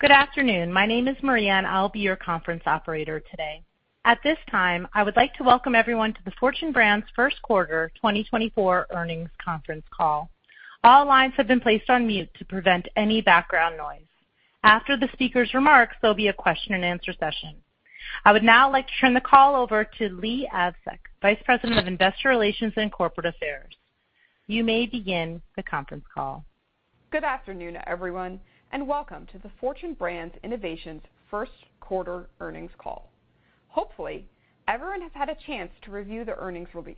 Good afternoon. My name is Maria, and I'll be your conference operator today. At this time, I would like to welcome everyone to the Fortune Brands first quarter 2024 earnings conference call. All lines have been placed on mute to prevent any background noise. After the speaker's remarks, there'll be a question-and-answer session. I would now like to turn the call over to Leigh Avsec, Vice President of Investor Relations and Corporate Affairs. You may begin the conference call. Good afternoon, everyone, and welcome to the Fortune Brands Innovations first quarter earnings call. Hopefully, everyone has had a chance to review the earnings release.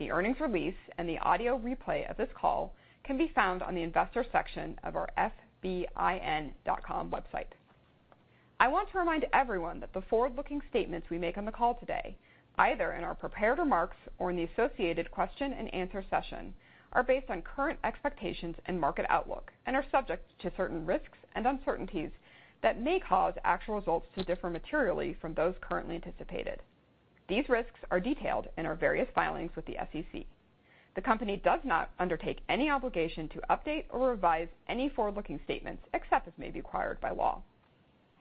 The earnings release and the audio replay of this call can be found on the investor section of our fbin.com website. I want to remind everyone that the forward-looking statements we make on the call today, either in our prepared remarks or in the associated question-and-answer session, are based on current expectations and market outlook, and are subject to certain risks and uncertainties that may cause actual results to differ materially from those currently anticipated. These risks are detailed in our various filings with the SEC. The company does not undertake any obligation to update or revise any forward-looking statements, except as may be required by law.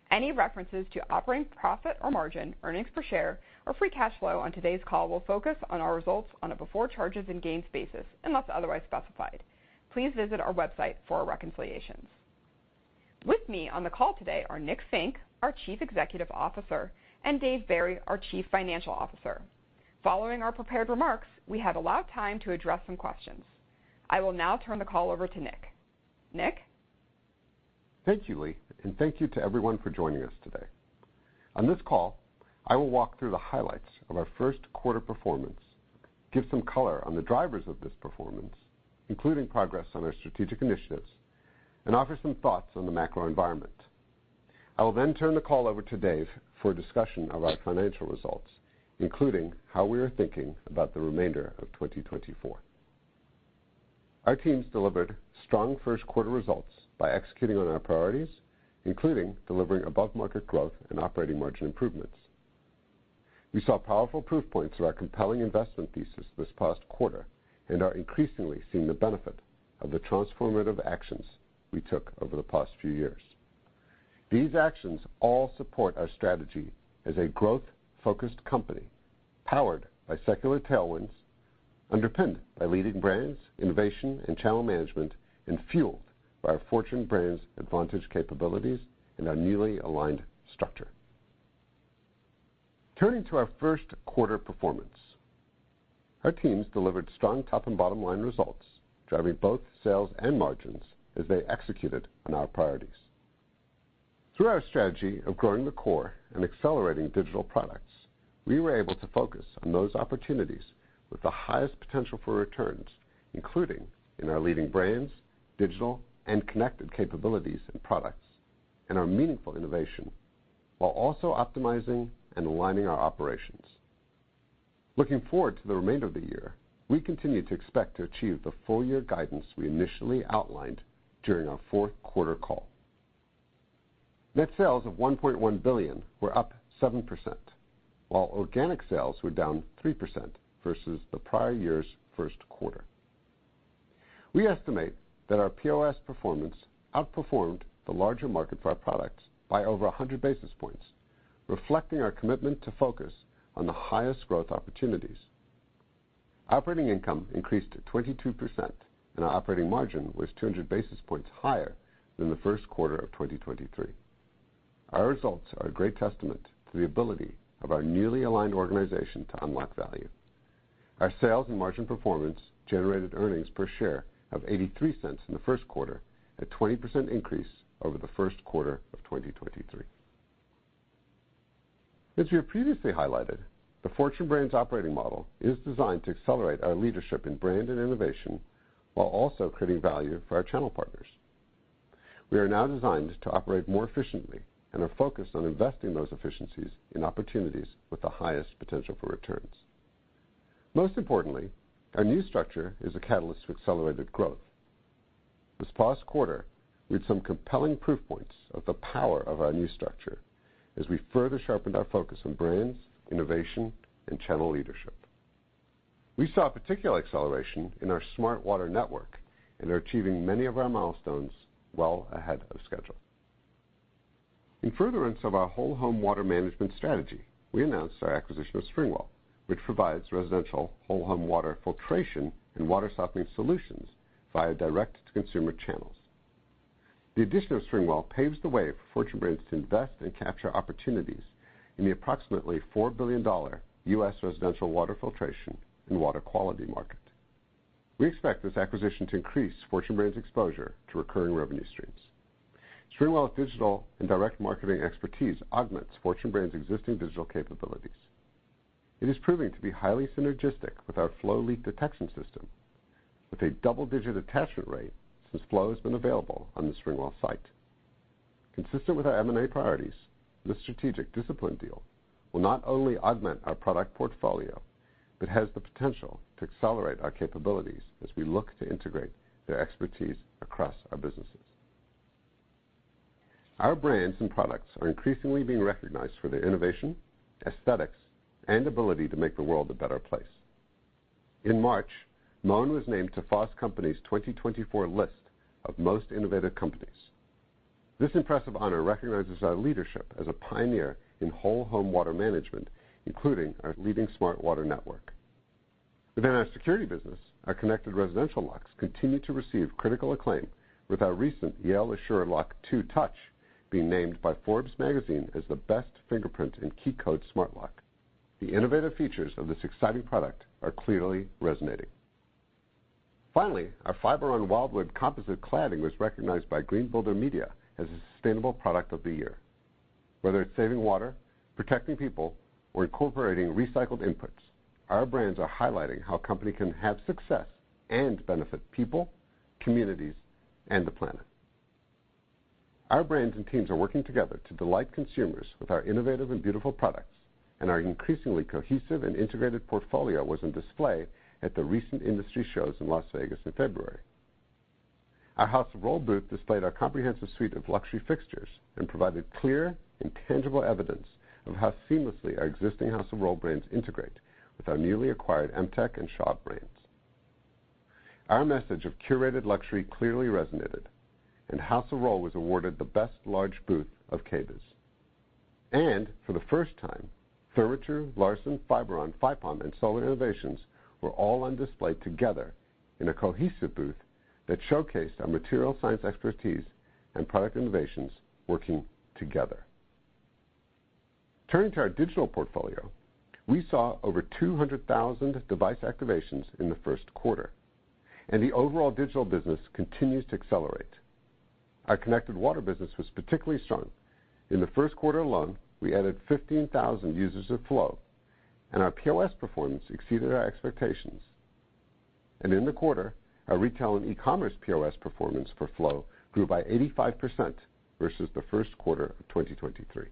Any references to operating profit or margin, earnings per share, or free cash flow on today's call will focus on our results on a before charges and gains basis, unless otherwise specified. Please visit our website for our reconciliations. With me on the call today are Nick Fink, our Chief Executive Officer, and Dave Barry, our Chief Financial Officer. Following our prepared remarks, we have allowed time to address some questions. I will now turn the call over to Nick. Nick? Thank you, Leigh, and thank you to everyone for joining us today. On this call, I will walk through the highlights of our first quarter performance, give some color on the drivers of this performance, including progress on our strategic initiatives, and offer some thoughts on the macro environment. I will then turn the call over to Dave for a discussion of our financial results, including how we are thinking about the remainder of 2024. Our teams delivered strong first quarter results by executing on our priorities, including delivering above-market growth and operating margin improvements. We saw powerful proof points of our compelling investment thesis this past quarter and are increasingly seeing the benefit of the transformative actions we took over the past few years. These actions all support our strategy as a growth-focused company, powered by secular tailwinds, underpinned by leading brands, innovation, and channel management, and fueled by our Fortune Brands Advantage capabilities and our newly aligned structure. Turning to our first quarter performance, our teams delivered strong top and bottom line results, driving both sales and margins as they executed on our priorities. Through our strategy of growing the core and accelerating digital products, we were able to focus on those opportunities with the highest potential for returns, including in our leading brands, digital and connected capabilities and products, and our meaningful innovation, while also optimizing and aligning our operations. Looking forward to the remainder of the year, we continue to expect to achieve the full year guidance we initially outlined during our fourth quarter call. Net sales of $1.1 billion were up 7%, while organic sales were down 3% versus the prior year's first quarter. We estimate that our POS performance outperformed the larger market for our products by over 100 basis points, reflecting our commitment to focus on the highest growth opportunities. Operating income increased 22%, and our operating margin was 200 basis points higher than the first quarter of 2023. Our results are a great testament to the ability of our newly aligned organization to unlock value. Our sales and margin performance generated earnings per share of $0.83 in the first quarter, a 20% increase over the first quarter of 2023. As we have previously highlighted, the Fortune Brands operating model is designed to accelerate our leadership in brand and innovation while also creating value for our channel partners. We are now designed to operate more efficiently and are focused on investing those efficiencies in opportunities with the highest potential for returns. Most importantly, our new structure is a catalyst for accelerated growth. This past quarter, we had some compelling proof points of the power of our new structure as we further sharpened our focus on brands, innovation, and channel leadership. We saw a particular acceleration in our Smart Water Network and are achieving many of our milestones well ahead of schedule. In furtherance of our whole home water management strategy, we announced our acquisition of SpringWell, which provides residential whole home water filtration and water softening solutions via direct-to-consumer channels. The addition of SpringWell paves the way for Fortune Brands to invest and capture opportunities in the approximately $4 billion U.S. residential water filtration and water quality market. We expect this acquisition to increase Fortune Brands exposure to recurring revenue streams. SpringWell's digital and direct marketing expertise augments Fortune Brands' existing digital capabilities. It is proving to be highly synergistic with our Flo leak detection system, with a double-digit attachment rate since Flo has been available on the SpringWell site. Consistent with our M&A priorities, this strategic discipline deal will not only augment our product portfolio, but has the potential to accelerate our capabilities as we look to integrate their expertise across our businesses. Our brands and products are increasingly being recognized for their innovation, aesthetics, and ability to make the world a better place. In March, Moen was named to Fast Company's 2024 list of Most Innovative Companies. This impressive honor recognizes our leadership as a pioneer in whole home water management, including our leading Smart Water Network. Within our Security business, our connected residential locks continue to receive critical acclaim, with our recent Yale Assure Lock 2 Touch being named by Forbes Magazine as the best fingerprint and key code smart lock. The innovative features of this exciting product are clearly resonating. Finally, our Fiberon Wildwood composite cladding was recognized by Green Builder Media as a Sustainable Product of the Year. Whether it's saving water, protecting people, or incorporating recycled inputs, our brands are highlighting how a company can have success and benefit people, communities, and the planet. Our brands and teams are working together to delight consumers with our innovative and beautiful products, and our increasingly cohesive and integrated portfolio was on display at the recent industry shows in Las Vegas in February. Our House of Rohl booth displayed our comprehensive suite of luxury fixtures and provided clear and tangible evidence of how seamlessly our existing House of Rohl brands integrate with our newly acquired Emtek and Schaub brands. Our message of curated luxury clearly resonated, and House of Rohl was awarded the Best Large Booth of KBIS. For the first time, Therma-Tru, Larson, Fiberon, Fypon, and Solar Innovations were all on display together in a cohesive booth that showcased our material science expertise and product innovations working together. Turning to our digital portfolio, we saw over 200,000 device activations in the first quarter, and the overall digital business continues to accelerate. Our Connected Water business was particularly strong. In the first quarter alone, we added 15,000 users of Flo, and our POS performance exceeded our expectations. In the quarter, our retail and e-commerce POS performance for Flo grew by 85% versus the first quarter of 2023.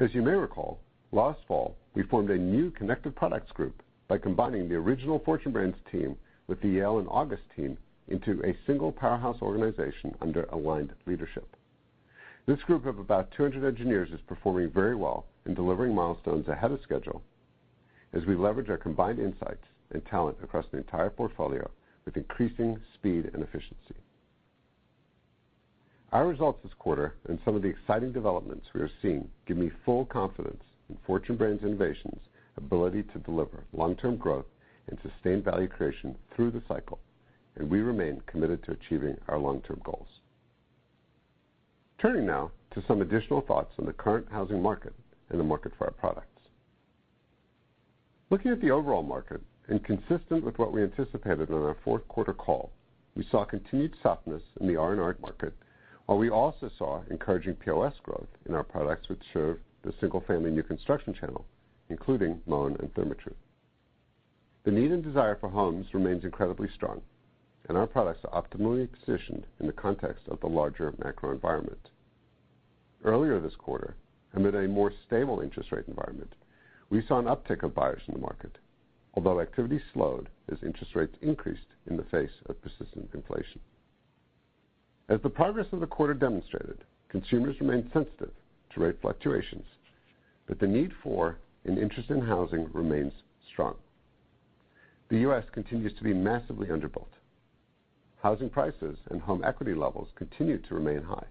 As you may recall, last fall, we formed a new Connected Products Group by combining the original Fortune Brands team with the Yale and August team into a single powerhouse organization under aligned leadership. This group of about 200 engineers is performing very well in delivering milestones ahead of schedule as we leverage our combined insights and talent across the entire portfolio with increasing speed and efficiency. Our results this quarter and some of the exciting developments we are seeing give me full confidence in Fortune Brands Innovations' ability to deliver long-term growth and sustained value creation through the cycle, and we remain committed to achieving our long-term goals. Turning now to some additional thoughts on the current housing market and the market for our products. Looking at the overall market and consistent with what we anticipated on our fourth quarter call, we saw continued softness in the R&R market, while we also saw encouraging POS growth in our products, which serve the single-family new construction channel, including Moen and Therma-Tru. The need and desire for homes remains incredibly strong, and our products are optimally positioned in the context of the larger macro environment. Earlier this quarter, amid a more stable interest rate environment, we saw an uptick of buyers in the market, although activity slowed as interest rates increased in the face of persistent inflation. As the progress of the quarter demonstrated, consumers remain sensitive to rate fluctuations, but the need for and interest in housing remains strong. The U.S. continues to be massively underbuilt. Housing prices and home equity levels continue to remain high.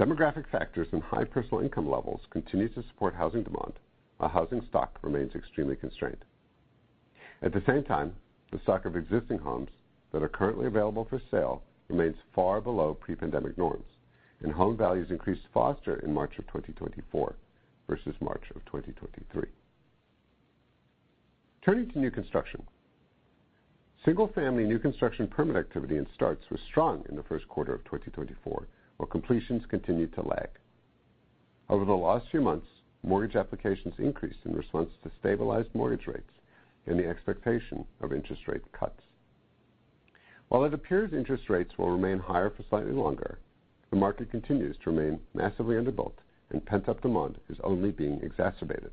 Demographic factors and high personal income levels continue to support housing demand, while housing stock remains extremely constrained. At the same time, the stock of existing homes that are currently available for sale remains far below pre-pandemic norms, and home values increased faster in March 2024 versus March 2023. Turning to new construction. Single-family new construction permit activity and starts was strong in the first quarter of 2024, while completions continued to lag. Over the last few months, mortgage applications increased in response to stabilized mortgage rates and the expectation of interest rate cuts. While it appears interest rates will remain higher for slightly longer, the market continues to remain massively underbuilt, and pent-up demand is only being exacerbated.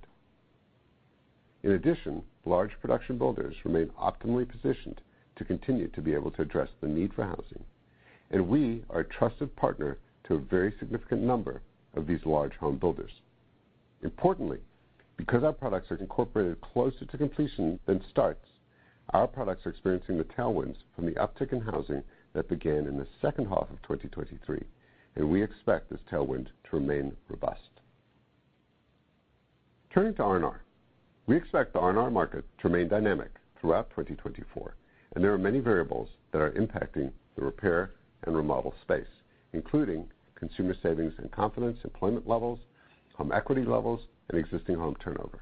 In addition, large production builders remain optimally positioned to continue to be able to address the need for housing, and we are a trusted partner to a very significant number of these large home builders. Importantly, because our products are incorporated closer to completion than starts, our products are experiencing the tailwinds from the uptick in housing that began in the second half of 2023, and we expect this tailwind to remain robust. Turning to R&R. We expect the R&R market to remain dynamic throughout 2024, and there are many variables that are impacting the repair and remodel space, including consumer savings and confidence, employment levels, home equity levels, and existing home turnover.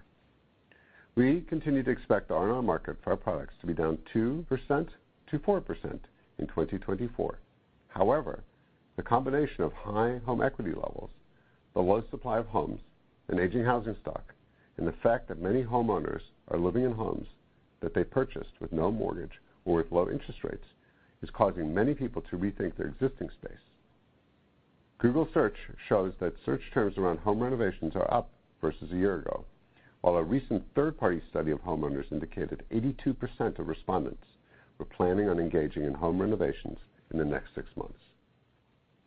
We continue to expect the R&R market for our products to be down 2%-4% in 2024. However, the combination of high home equity levels, the low supply of homes, and aging housing stock, and the fact that many homeowners are living in homes that they purchased with no mortgage or with low interest rates, is causing many people to rethink their existing space. Google search shows that search terms around home renovations are up versus a year ago, while a recent third-party study of homeowners indicated 82% of respondents were planning on engaging in home renovations in the next six months.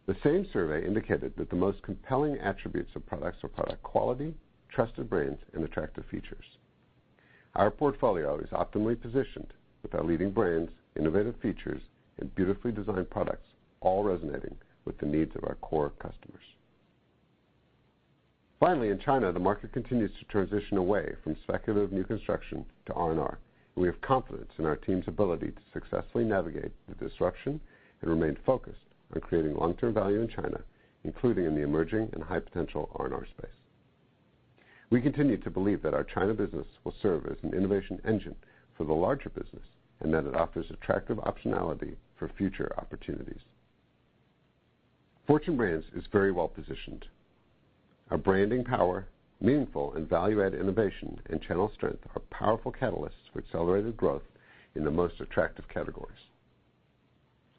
The same survey indicated that the most compelling attributes of products are product quality, trusted brands, and attractive features. Our portfolio is optimally positioned with our leading brands, innovative features, and beautifully designed products, all resonating with the needs of our core customers. Finally, in China, the market continues to transition away from speculative new construction to R&R. We have confidence in our team's ability to successfully navigate the disruption and remain focused on creating long-term value in China, including in the emerging and high-potential R&R space. We continue to believe that our China business will serve as an innovation engine for the larger business, and that it offers attractive optionality for future opportunities. Fortune Brands is very well positioned. Our branding power, meaningful and value-add innovation, and channel strength are powerful catalysts for accelerated growth in the most attractive categories.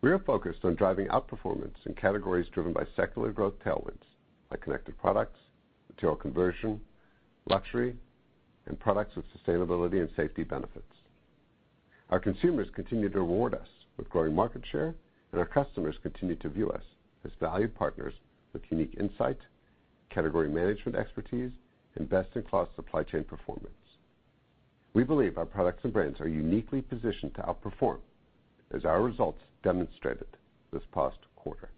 We are focused on driving outperformance in categories driven by secular growth tailwinds, like Connected Products, material conversion, luxury, and products with sustainability and safety benefits. Our consumers continue to reward us with growing market share, and our customers continue to view us as valued partners with unique insight, category management expertise, and best-in-class supply chain performance. We believe our products and brands are uniquely positioned to outperform, as our results demonstrated this past quarter.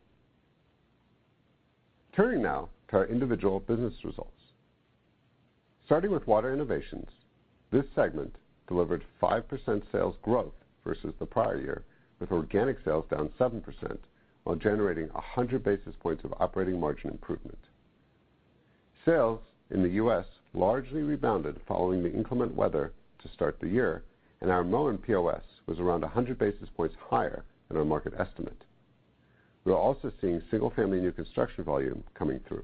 Turning now to our individual business results. Starting with Water Innovations, this segment delivered 5% sales growth versus the prior year, with organic sales down 7%, while generating 100 basis points of operating margin improvement. Sales in the U.S. largely rebounded following the inclement weather to start the year, and our Moen POS was around 100 basis points higher than our market estimate. We are also seeing single-family new construction volume coming through.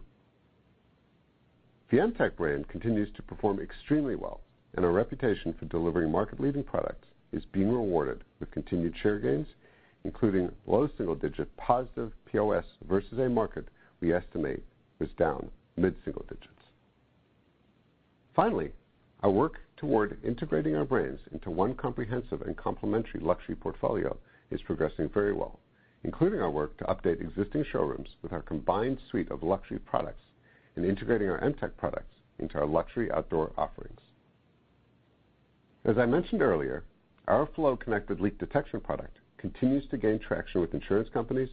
The Emtek brand continues to perform extremely well, and our reputation for delivering market-leading products is being rewarded with continued share gains, including low single-digit positive POS versus a market we estimate is down mid-single digits. Finally, our work toward integrating our brands into one comprehensive and complementary luxury portfolio is progressing very well, including our work to update existing showrooms with our combined suite of luxury products and integrating our Emtek products into our luxury outdoor offerings. As I mentioned earlier, our Flo connected leak detection product continues to gain traction with insurance companies,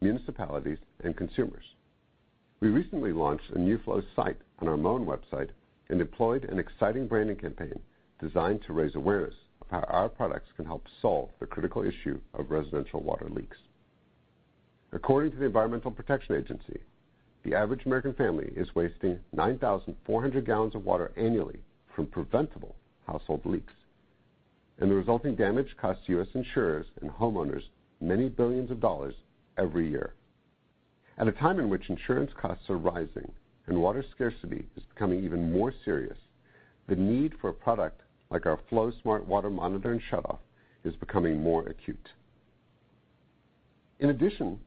municipalities, and consumers. We recently launched a new Flo site on our Moen website and deployed an exciting branding campaign designed to raise awareness of how our products can help solve the critical issue of residential water leaks. According to the Environmental Protection Agency, the average American family is wasting 9,400 gal of water annually from preventable household leaks, and the resulting damage costs U.S. insurers and homeowners many billions of dollars every year. At a time in which insurance costs are rising and water scarcity is becoming even more serious, the need for a product like our Flo Smart Water Monitor and Shutoff is becoming more acute. In addition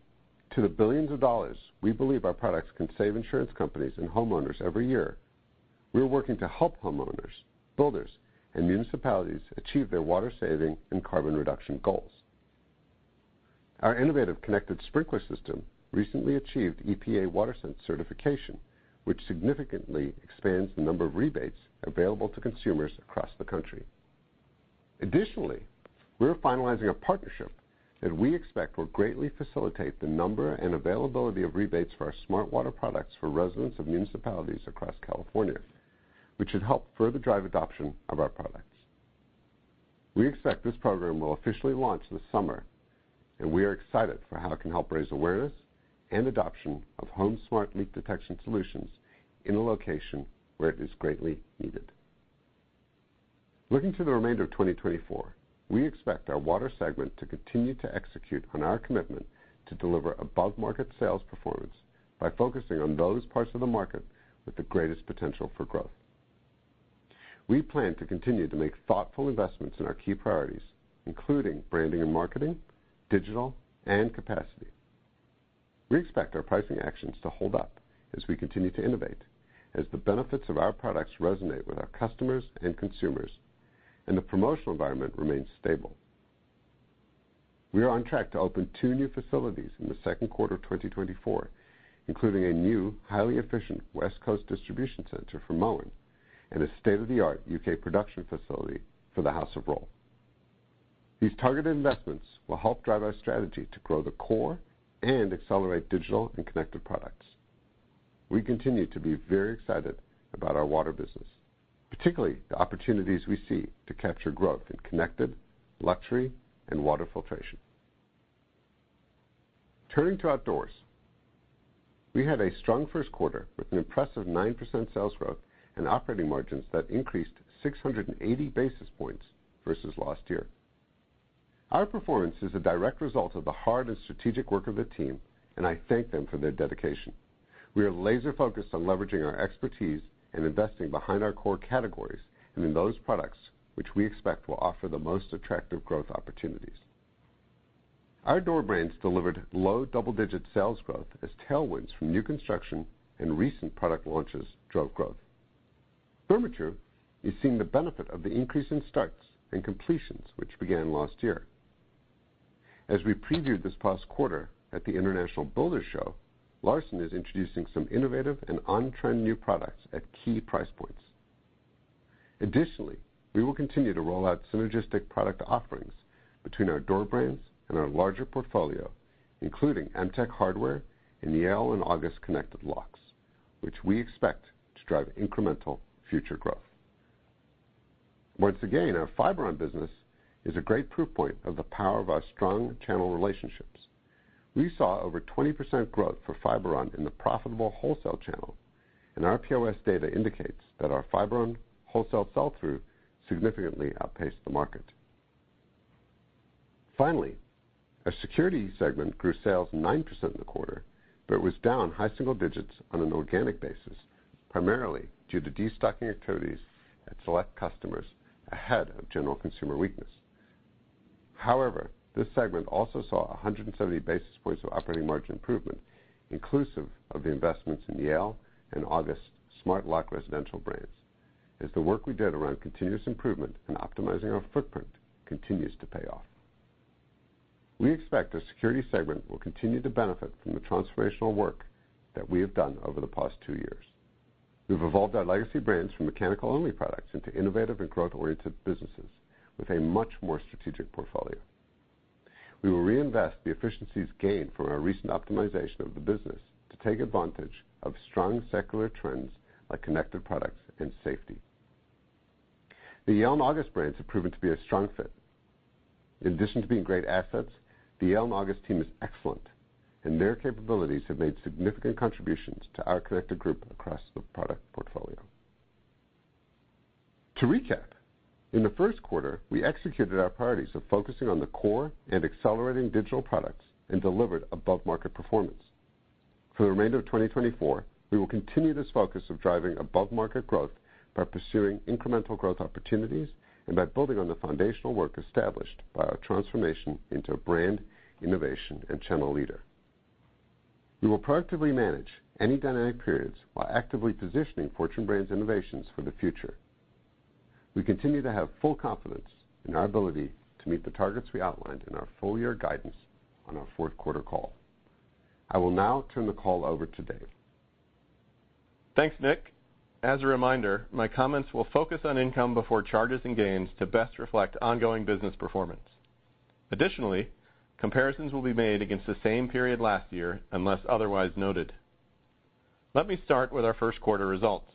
to the billions of dollars we believe our products can save insurance companies and homeowners every year, we are working to help homeowners, builders, and municipalities achieve their water-saving and carbon reduction goals. Our innovative connected sprinkler system recently achieved EPA WaterSense certification, which significantly expands the number of rebates available to consumers across the country. Additionally, we're finalizing a partnership that we expect will greatly facilitate the number and availability of rebates for our smart water products for residents of municipalities across California, which should help further drive adoption of our products. We expect this program will officially launch this summer, and we are excited for how it can help raise awareness and adoption of home smart leak detection solutions in a location where it is greatly needed. Looking to the remainder of 2024, we expect our Water segment to continue to execute on our commitment to deliver above-market sales performance by focusing on those parts of the market with the greatest potential for growth. We plan to continue to make thoughtful investments in our key priorities, including branding and marketing, digital, and capacity. We expect our pricing actions to hold up as we continue to innovate, as the benefits of our products resonate with our customers and consumers, and the promotional environment remains stable. We are on track to open 2 new facilities in the second quarter of 2024, including a new, highly efficient West Coast distribution center for Moen and a state-of-the-art U.K. production facility for the House of Rohl. These targeted investments will help drive our strategy to grow the core and accelerate digital and Connected Products. We continue to be very excited about our Water business, particularly the opportunities we see to capture growth in connected, luxury, and water filtration. Turning to Outdoors, we had a strong first quarter with an impressive 9% sales growth and operating margins that increased 680 basis points versus last year. Our performance is a direct result of the hard and strategic work of the team, and I thank them for their dedication. We are laser-focused on leveraging our expertise and investing behind our core categories and in those products which we expect will offer the most attractive growth opportunities. Our Outdoor brands delivered low double-digit sales growth as tailwinds from new construction and recent product launches drove growth. Therma-Tru is seeing the benefit of the increase in starts and completions, which began last year. As we previewed this past quarter at the International Builders' Show, Larson is introducing some innovative and on-trend new products at key price points. Additionally, we will continue to roll out synergistic product offerings between our door brands and our larger portfolio, including Emtek hardware and Yale and August connected locks, which we expect to drive incremental future growth. Once again, our Fiberon business is a great proof point of the power of our strong channel relationships. We saw over 20% growth for Fiberon in the profitable wholesale channel, and our POS data indicates that our Fiberon wholesale sell-through significantly outpaced the market. Finally, our Security segment grew sales 9% in the quarter, but was down high single digits on an organic basis, primarily due to destocking activities at select customers ahead of general consumer weakness. However, this segment also saw 170 basis points of operating margin improvement, inclusive of the investments in Yale and August smart lock residential brands, as the work we did around continuous improvement and optimizing our footprint continues to pay off. We expect the Security segment will continue to benefit from the transformational work that we have done over the past two years. We've evolved our legacy brands from mechanical-only products into innovative and growth-oriented businesses with a much more strategic portfolio. We will reinvest the efficiencies gained from our recent optimization of the business to take advantage of strong secular trends, like Connected Products and Safety. The Yale and August brands have proven to be a strong fit. In addition to being great assets, the Yale and August team is excellent, and their capabilities have made significant contributions to our Connected group across the product portfolio. To recap, in the first quarter, we executed our priorities of focusing on the core and accelerating digital products and delivered above-market performance. For the remainder of 2024, we will continue this focus of driving above-market growth by pursuing incremental growth opportunities and by building on the foundational work established by our transformation into a brand, innovation, and channel leader. We will proactively manage any dynamic periods while actively positioning Fortune Brands Innovations for the future. We continue to have full confidence in our ability to meet the targets we outlined in our full-year guidance on our fourth quarter call. I will now turn the call over to Dave. Thanks, Nick. As a reminder, my comments will focus on income before charges and gains to best reflect ongoing business performance. Additionally, comparisons will be made against the same period last year, unless otherwise noted. Let me start with our first quarter results.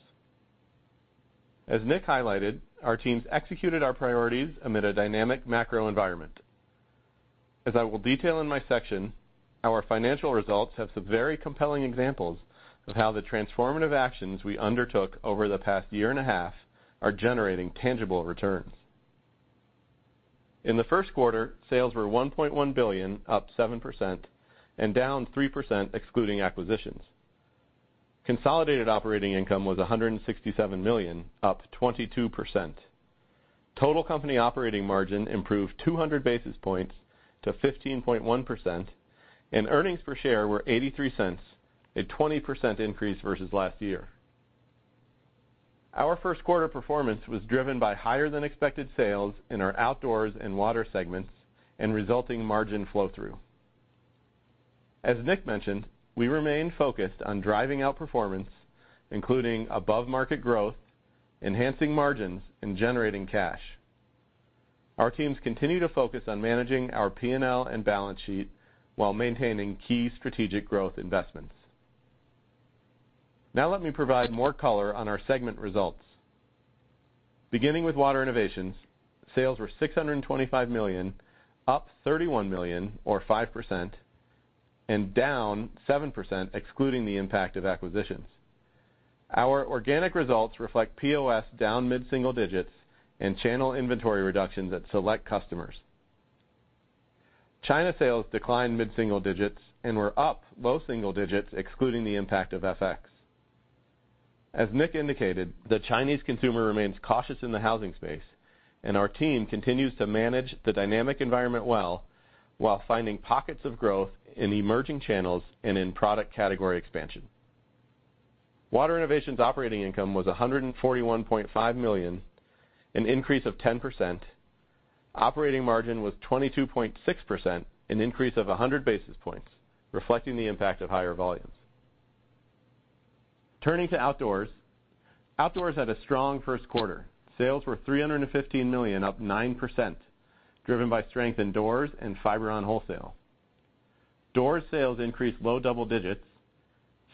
As Nick highlighted, our teams executed our priorities amid a dynamic macro environment. As I will detail in my section, our financial results have some very compelling examples of how the transformative actions we undertook over the past year and a half are generating tangible returns. In the first quarter, sales were $1.1 billion, up 7% and down 3% excluding acquisitions. Consolidated operating income was $167 million, up 22%. Total company operating margin improved 200 basis points to 15.1%, and earnings per share were $0.83, a 20% increase versus last year. Our first quarter performance was driven by higher-than-expected sales in our Outdoors and Water segments and resulting margin flow-through. As Nick mentioned, we remain focused on driving outperformance, including above-market growth, enhancing margins, and generating cash. Our teams continue to focus on managing our P&L and balance sheet while maintaining key strategic growth investments. Now, let me provide more color on our segment results. Beginning with Water Innovations, sales were $625 million, up $31 million, or 5%, and down 7%, excluding the impact of acquisitions. Our organic results reflect POS down mid-single digits and channel inventory reductions at select customers. China sales declined mid-single digits and were up low double digits, excluding the impact of FX. As Nick indicated, the Chinese consumer remains cautious in the housing space, and our team continues to manage the dynamic environment well while finding pockets of growth in emerging channels and in product category expansion. Water Innovations operating income was $141.5 million, an increase of 10%. Operating margin was 22.6%, an increase of 100 basis points, reflecting the impact of higher volumes. Turning to Outdoors. Outdoors had a strong first quarter. Sales were $315 million, up 9%, driven by strength in doors and Fiberon wholesale. Doors sales increased low double digits.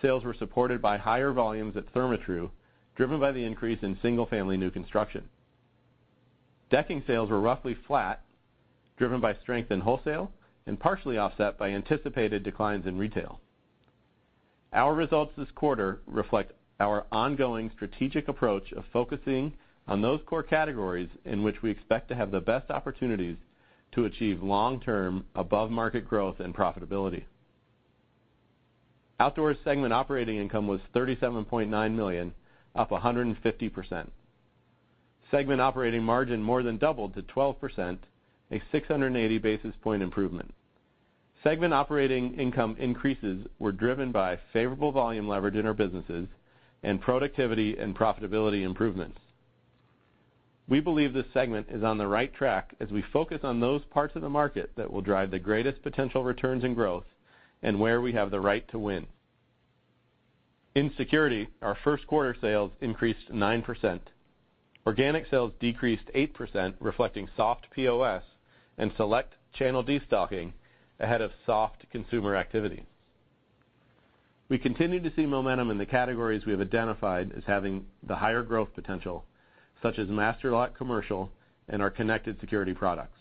Sales were supported by higher volumes at Therma-Tru, driven by the increase in single-family new construction. Decking sales were roughly flat, driven by strength in wholesale and partially offset by anticipated declines in retail. Our results this quarter reflect our ongoing strategic approach of focusing on those core categories in which we expect to have the best opportunities to achieve long-term, above-market growth and profitability. Outdoors segment operating income was $37.9 million, up 150%. Segment operating margin more than doubled to 12%, a 680 basis point improvement. Segment operating income increases were driven by favorable volume leverage in our businesses and productivity and profitability improvements. We believe this segment is on the right track as we focus on those parts of the market that will drive the greatest potential returns and growth and where we have the right to win. In Security, our first quarter sales increased 9%. Organic sales decreased 8%, reflecting soft POS and select channel destocking ahead of soft consumer activity. We continue to see momentum in the categories we have identified as having the higher growth potential, such as Master Lock Commercial and our Connected Security products.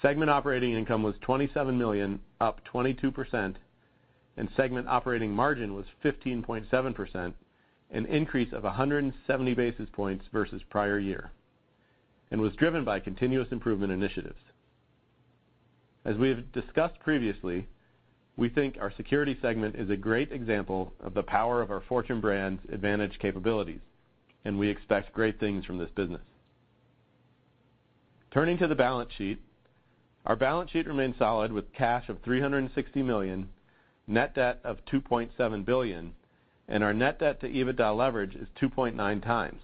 Segment operating income was $27 million, up 22%, and segment operating margin was 15.7%, an increase of 170 basis points versus prior year, and was driven by continuous improvement initiatives. As we have discussed previously, we think our Security segment is a great example of the power of our Fortune Brands Advantage capabilities, and we expect great things from this business. Turning to the balance sheet. Our balance sheet remains solid, with cash of $360 million, net debt of $2.7 billion, and our net debt to EBITDA leverage is 2.9x.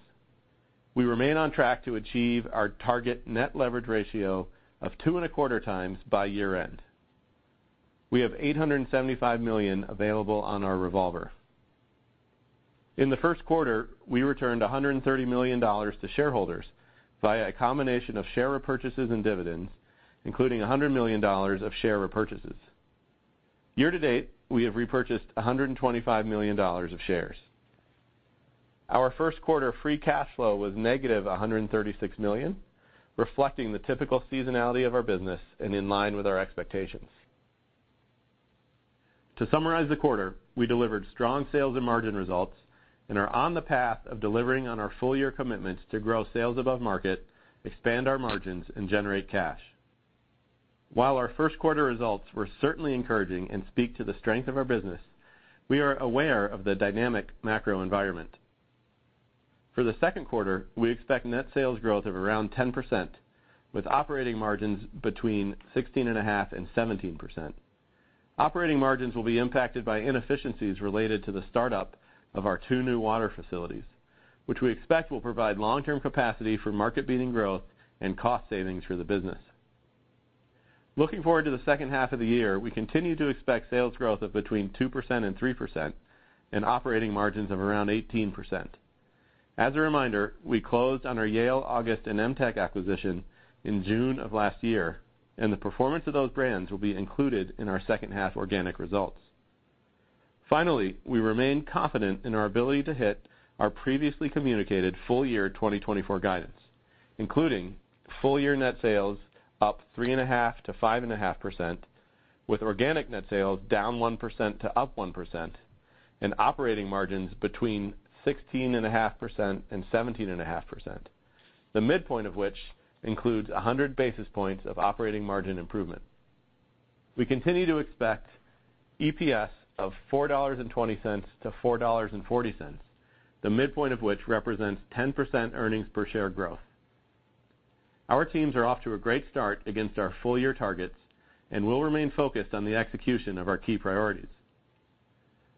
We remain on track to achieve our target net leverage ratio of 2.25x by year-end. We have $875 million available on our revolver. In the first quarter, we returned $130 million to shareholders via a combination of share repurchases and dividends, including $100 million of share repurchases. Year to date, we have repurchased $125 million of shares. Our first quarter free cash flow was $-136 million, reflecting the typical seasonality of our business and in line with our expectations. To summarize the quarter, we delivered strong sales and margin results and are on the path of delivering on our full year commitments to grow sales above market, expand our margins, and generate cash. While our first quarter results were certainly encouraging and speak to the strength of our business, we are aware of the dynamic macro environment. For the second quarter, we expect net sales growth of around 10%, with operating margins between 16.5% and 17%. Operating margins will be impacted by inefficiencies related to the startup of our two new water facilities, which we expect will provide long-term capacity for market-beating growth and cost savings for the business. Looking forward to the second half of the year, we continue to expect sales growth of between 2% and 3% and operating margins of around 18%. As a reminder, we closed on our Yale, August, and Emtek acquisition in June of last year, and the performance of those brands will be included in our second half organic results. Finally, we remain confident in our ability to hit our previously communicated full year 2024 guidance, including full year net sales up 3.5%-5.5%, with organic net sales down 1% to up 1%, and operating margins between 16.5% and 17.5%, the midpoint of which includes 100 basis points of operating margin improvement. We continue to expect EPS of $4.20-$4.40, the midpoint of which represents 10% earnings per share growth. Our teams are off to a great start against our full year targets, and we'll remain focused on the execution of our key priorities.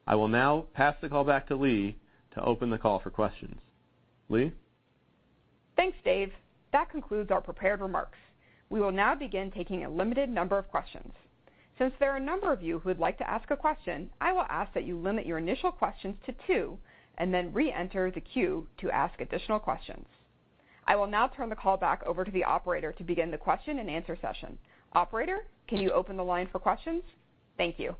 I will now pass the call back to Leigh to open the call for questions. Leigh? Thanks, Dave. That concludes our prepared remarks. We will now begin taking a limited number of questions. Since there are a number of you who would like to ask a question, I will ask that you limit your initial questions to two and then reenter the queue to ask additional questions. I will now turn the call back over to the operator to begin the question and answer session. Operator, can you open the line for questions? Thank you.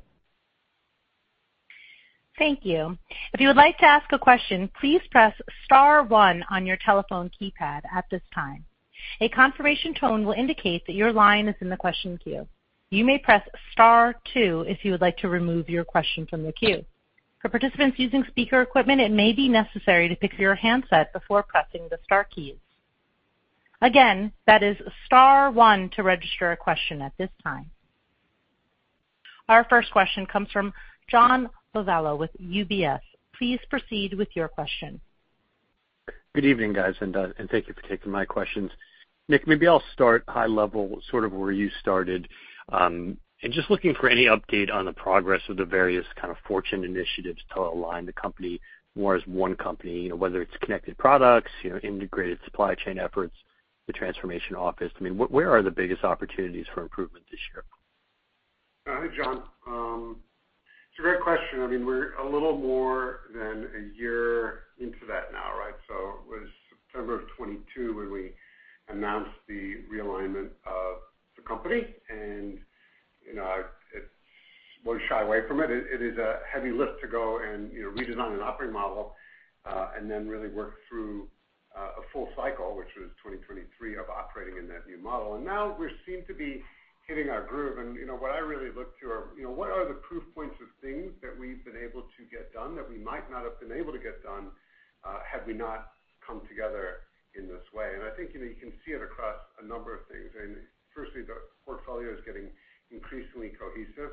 Thank you. If you would like to ask a question, please press star one on your telephone keypad at this time. A confirmation tone will indicate that your line is in the question queue. You may press star two if you would like to remove your question from the queue. For participants using speaker equipment, it may be necessary to pick your handset before pressing the star keys. Again, that is star one to register a question at this time. Our first question comes from John Lovallo with UBS. Please proceed with your question. Good evening, guys, and thank you for taking my questions. Nick, maybe I'll start high level, sort of where you started, and just looking for any update on the progress of the various kind of Fortune initiatives to align the company more as one company, you know, whether it's Connected Products, you know, integrated supply chain efforts, the transformation office. I mean, where, where are the biggest opportunities for improvement this year? Hey, John. It's a great question. I mean, we're a little more than a year into that now, right? So it was September of 2022 when we announced the realignment of the company, and, you know, I won't shy away from it. It is a heavy lift to go and, you know, redesign an operating model, and then really work through a full cycle, which was 2023, of operating in that new model. And now we seem to be hitting our groove. And, you know, what I really look to are, you know, what are the proof points of things that we've been able to get done that we might not have been able to get done had we not come together in this way? And I think, you know, you can see it across a number of things. Firstly, the portfolio is getting increasingly cohesive.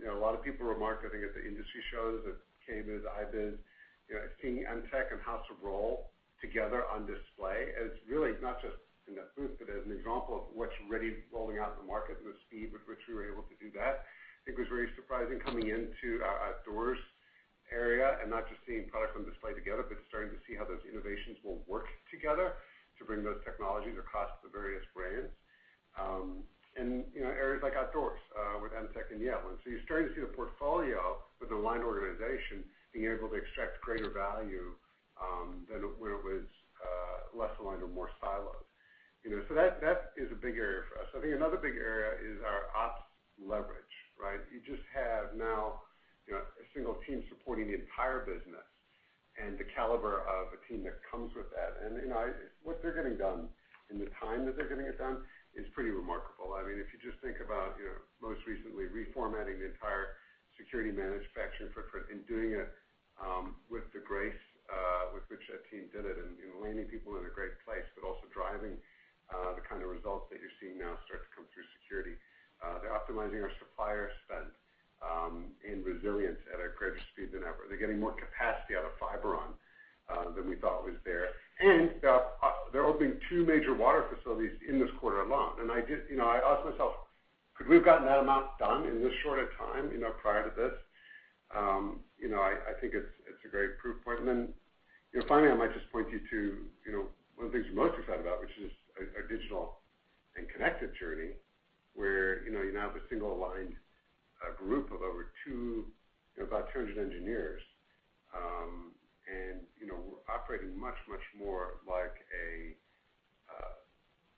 You know, a lot of people were marketing at the industry shows that KBIS, IBS, you know, seeing Moen and House of Rohl together on display, and it's really not just in that booth, but as an example of what's already rolling out the market and the speed with which we were able to do that. I think it was very surprising coming into our doors area and not just seeing product on display together, but starting to see how those innovations will work together to bring those technologies across the various brands. And, you know, areas like Outdoors with Moen and Yale. And so you're starting to see the portfolio with an aligned organization being able to extract greater value than it when it was less aligned or more siloed. You know, so that, that is a big area for us. I think another big area is our ops leverage, right? You just have now, you know, a single team supporting the entire business and the caliber of a team that comes with that. And, you know, I what they're getting done in the time that they're getting it done is pretty remarkable. I mean, if you just think about, you know, most recently reformatting the entire Security manufacturing for, and doing it with the grace with which that team did it, and, you know, landing people in a great place, but also driving the kind of results that you're seeing now start to come through Security. They're optimizing our supplier spend in resilience at a greater speed than ever. They're getting more capacity out of Fiberon than we thought was there. They're opening two major water facilities in this quarter alone. You know, I asked myself, could we have gotten that amount done in this short a time, you know, prior to this? You know, I think it's a great proof point. And then, you know, finally, I might just point you to, you know, one of the things we're most excited about, which is our digital and connected journey, where you now have a single aligned group of over two, you know, about 200 engineers. And, you know, we're operating much more like a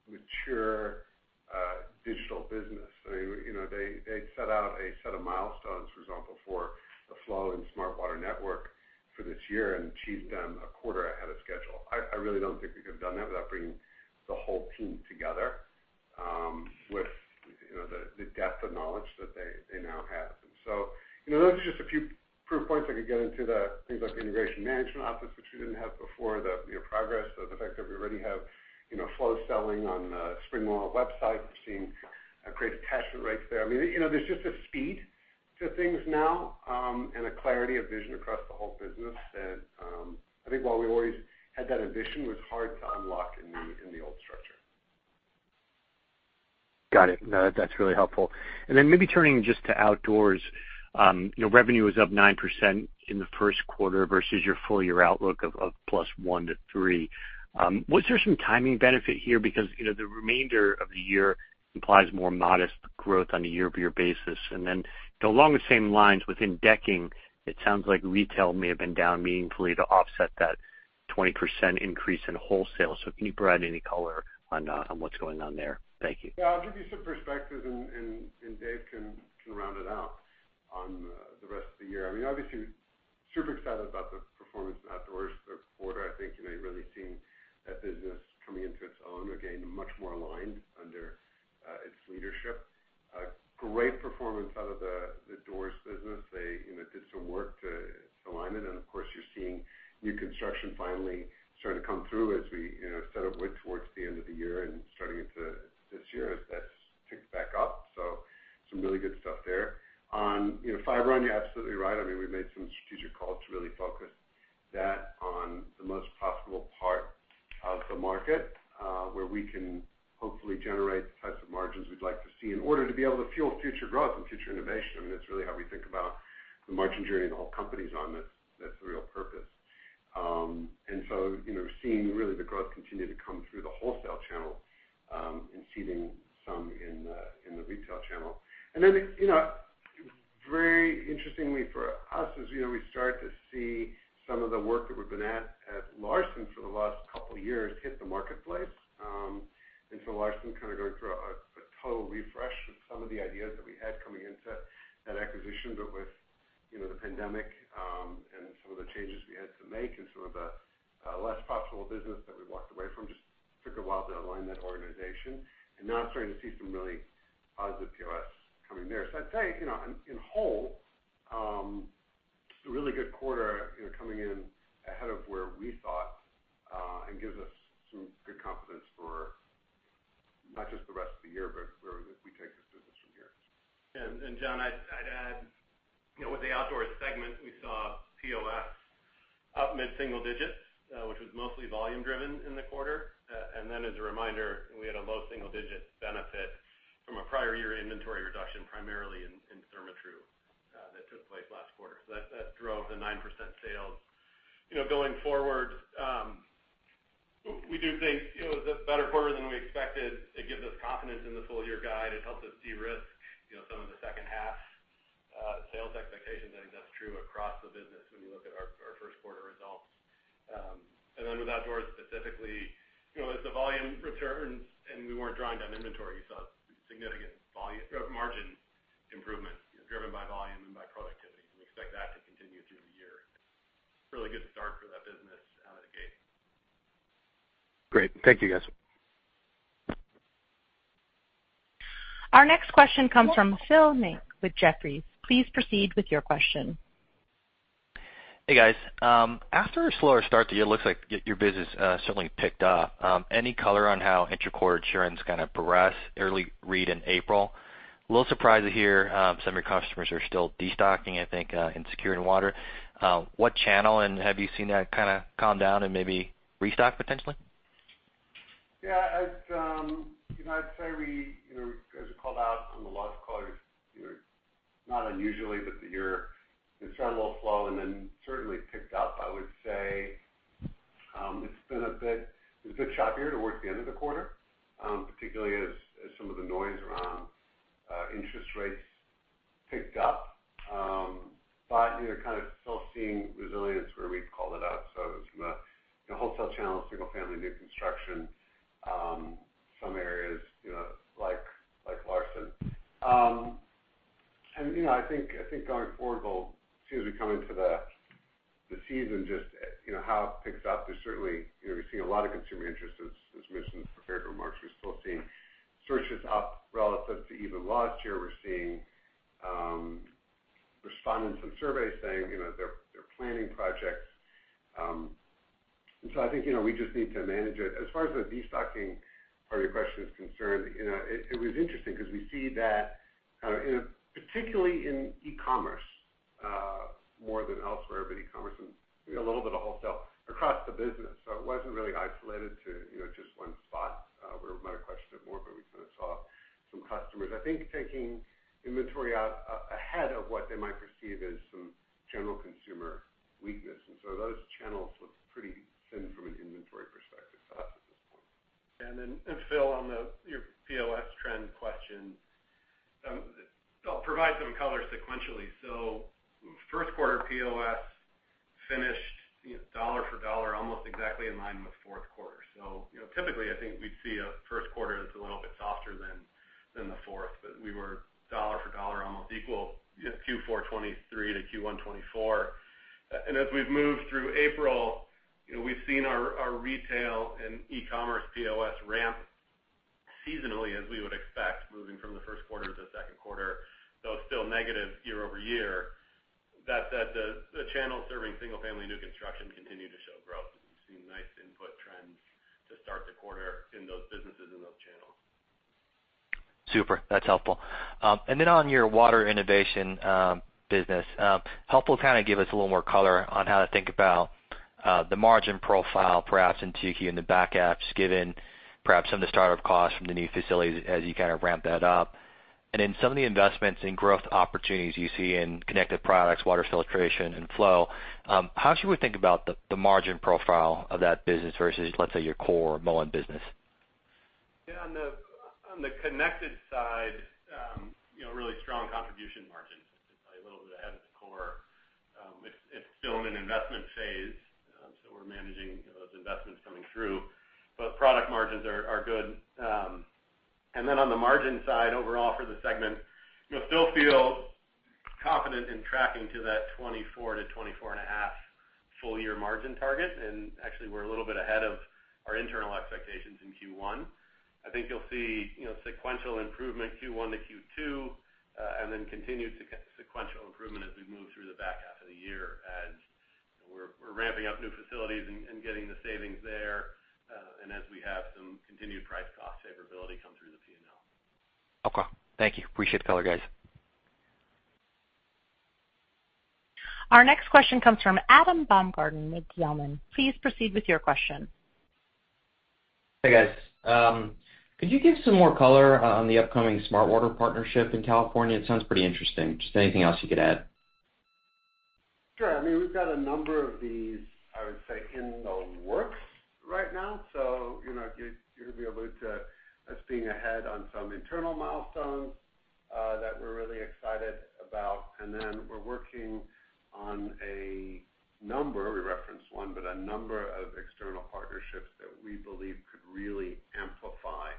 mature digital business. I mean, you know, they set out a set of milestones, for example, for the Flo and Smart Water Network for this year, and achieved them a quarter ahead of schedule. I really don't think we could have done that without bringing the whole team together, with, you know, the depth of knowledge that they now have. So, you know, those are just a few proof points. I could get into the things like the integration management office, which we didn't have before, the, you know, progress, the fact that we already have, you know, Flo selling on the SpringWell website. We're seeing great attachment rates there. I mean, you know, there's just a speed to things now, and a clarity of vision across the whole business that, I think while we've always had that vision, it was hard to unlock in the old structure. Got it. No, that's really helpful. And then maybe turning just to outdoors, you know, revenue is up 9% in the first quarter versus your full year outlook of +1% to +3%. Was there some timing benefit here? Because, you know, the remainder of the year implies more modest growth on a year-over-year basis. And then along the same lines, within decking, it sounds like retail may have been down meaningfully to offset that 20% increase in wholesale. So can you provide any color on what's going on there? Thank you. Yeah. I'll give you some perspective, and Dave can round it out on the rest of the year. I mean, obviously, super excited about the performance of outdoors this quarter. I think, you know, you're really seeing that business coming into its own. Again, much more aligned under its leadership. A great performance out of the doors business. They, you know, did some work to align it, and of course, you're seeing new construction finally starting to come through as we, you know, set up wood towards the end of the year and starting into this year as that ticks back up. So some really good stuff there. On, you know, Fiberon, you're absolutely right. I mean, we've made some strategic calls to really focus that on the most possible part of the market, where we can hopefully generate the types of margins we'd like to see in order to be able to fuel future growth and future innovation. I mean, that's really how we think about the margin journey and all companies on this. That's the real purpose. And so, you know, we're seeing really the growth continue to come through the wholesale channel, and seeding some in the retail channel. And then, you know, very interestingly for us, as you know, we start to see some of the work that we've been at Larson for the last couple of years hit the marketplace. And so Larson kind of going through a total refresh of some of the ideas that we had coming into that acquisition, but with, you know, the pandemic, and some of the changes we had to make and some of the less possible business that we walked away from, just took a while to align that organization. And now starting to see some really positive POS coming there. So I'd say, you know, in whole, a really good quarter, you know, coming in ahead of where we thought, and gives us some good confidence for not just the rest of the year, but where we take this business from here. John, I'd add, you know, with the outdoors segment, we saw POS up mid-single digits, which was mostly volume driven in the quarter. And then as a reminder, we had a low single-digit benefit from a prior year inventory reduction, primarily in Therma-Tru, that took place last quarter. So that drove the 9% sales. You know, going forward, we do think, you know, it was a better quarter than we expected. It gives us confidence in the full-year guide. It helps us de-risk, you know, some of the second-half sales expectations. I think that's true across the business when you look at our first quarter results. And then with Outdoors specifically, you know, as the volume returns and we weren't drawing down inventory, you saw significant volume, margin improvement driven by volume and by productivity, and we expect that to continue through the year. Really good start for that business out of the gate. Great. Thank you, guys. Our next question comes from Phil Ng with Jefferies. Please proceed with your question. Hey, guys. After a slower start to the year, it looks like your business certainly picked up. Any color on how in the core, in security kind of progressed, early read in April? A little surprised to hear, some of your customers are still destocking, I think, in Security and Water. What channel, and have you seen that kinda calm down and maybe restock potentially? Yeah, as you know, I'd say we, you know, as we called out on the last quarter, you know, not unusually, but the year, it started a little slow and then certainly picked up. I would say, it's been a bit, it was a bit choppier towards the end of the quarter, particularly as some of the noise around interest rates picked up. But, you know, kind of still seeing resilience where we've called it out. So it was from a, you know, wholesale channel, single family, new construction, some areas, you know, like Larson. And, you know, I think going forward, though, as we come into the season, just, you know, how it picks up, there's certainly, you know, we've seen a lot of consumer interest, as mentioned in prepared remarks. We're still seeing searches up relative to even last year. We're seeing respondents and surveys saying, you know, they're planning projects. And so I think, you know, we just need to manage it. As far as the destocking part of your question is concerned, you know, it was interesting 'cause we see that in particular in e-commerce more than elsewhere, but e-commerce and a little bit of wholesale across the business. So it wasn't really isolated to, you know, just one spot where might have questioned it more, but we kind of saw some customers, I think, taking inventory out ahead of what they might perceive as some general consumer weakness. And so those channels looked pretty thin from an inventory perspective to us at this point. And then, Phil, on your POS trend question, I'll provide some color sequentially. So first quarter POS finished dollar for dollar, almost exactly in line with fourth quarter. So, you know, typically, I think we'd see a first quarter that's a little bit softer than the fourth, but we were dollar for dollar, almost equal Q4 2023 to Q1 2024. And as we've moved through April, you know, we've seen our retail and e-commerce POS ramp seasonally as we would expect, moving from the first quarter to the second quarter, though still negative year-over-year. That the channel serving single-family new construction continue to show growth. We've seen nice input trends to start the quarter in those businesses in those channels. Super, that's helpful. And then on your water innovation business, helpful to kind of give us a little more color on how to think about the margin profile, perhaps in 2Q in the back half, given perhaps some of the start-up costs from the new facilities as you kind of ramp that up. And in some of the investments in growth opportunities you see in Connected Products, water filtration, and Flo, how should we think about the margin profile of that business versus, let's say, your core Moen business? Yeah, on the, on the Connected side, you know, really strong contribution margins, just a little bit ahead of the core. It's, it's still in an investment phase, so we're managing those investments coming through, but product margins are, are good. And then on the margin side, overall for the segment, you'll still feel confident in tracking to that 24%-24.5% full year margin target, and actually, we're a little bit ahead of our internal expectations in Q1. I think you'll see, you know, sequential improvement Q1-Q2, and then continued sequential improvement as we move through the back half of the year. And we're, we're ramping up new facilities and, and getting the savings there, and as we have some continued price cost favorability come through the P&L. Okay. Thank you. Appreciate the color, guys. Our next question comes from Adam Baumgarten with Zelman. Please proceed with your question. Hey, guys. Could you give some more color on the upcoming smart water partnership in California? It sounds pretty interesting. Just anything else you could add. Sure. I mean, we've got a number of these, I would say, in the works right now. So, you know, you allude to us being ahead on some internal milestones that we're really excited about. And then we're working on a number, we referenced one, but a number of external partnerships that we believe could really amplify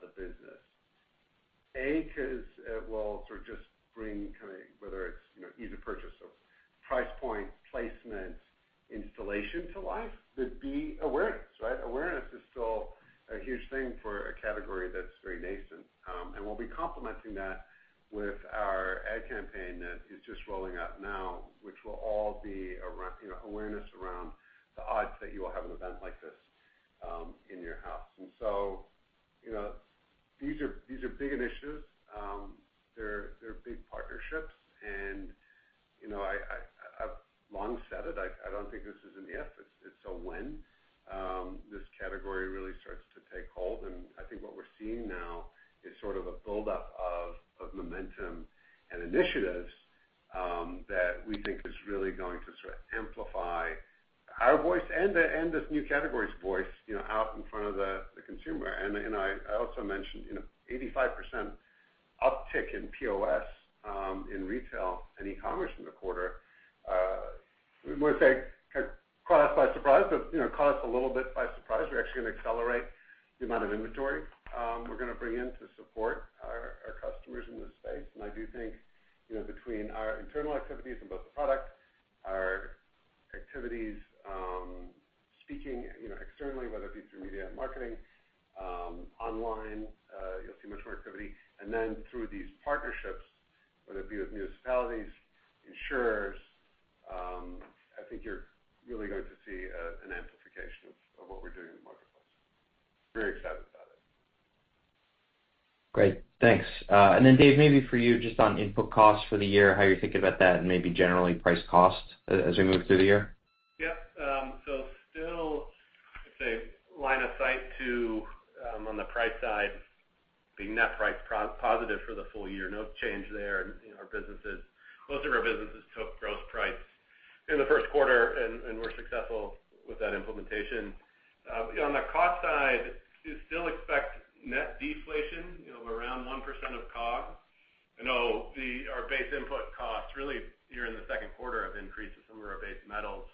the business. A, 'cause, well, sort of just bring kind of whether it's, you know, easy purchase or price point, placement, installation to life, but B, awareness, right? Awareness is still a huge thing for a category that's very nascent. And we'll be complementing that with our ad campaign that is just rolling out now, which will all be around, you know, awareness around the odds that you will have an event like this in your house. And so, you know, these are, these are big initiatives. They're big partnerships, and, you know, I've long said it, I don't think this is an if, it's a when, this category really starts to take hold. And I think what we're seeing now is sort of a build-up of momentum and initiatives, that we think is really going to sort of amplify our voice and this new category's voice, you know, out in front of the consumer. And I also mentioned, you know, 85% uptick in POS, in retail and e-commerce in the quarter. I wouldn't say caught us by surprise, but, you know, caught us a little bit by surprise. We're actually going to accelerate the amount of inventory, we're gonna bring in to support our customers in this space. I do think, you know, between our internal activities and both product activities, speaking, you know, externally, whether it be through media and marketing, online, you'll see much more activity. And then through these partnerships, whether it be with municipalities, insurers, I think you're really going to see an amplification of what we're doing in the marketplace. Very excited about it. Great, thanks. And then, Dave, maybe for you, just on input costs for the year, how you're thinking about that and maybe generally price cost as we move through the year? Yep, so still, I'd say, line of sight to, on the price side, being net price positive for the full year. No change there. And, you know, our businesses—most of our businesses took gross price in the first quarter, and were successful with that implementation. But yeah, on the cost side, we still expect net deflation, you know, of around 1% of COG. I know our base input costs really here in the second quarter have increased to some of our base metals.